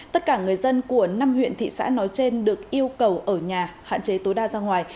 tất cả người dân của năm huyện thị xã nói trên được yêu cầu ở nhà hạn chế tối đa ra ngoài